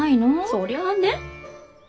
そりゃね。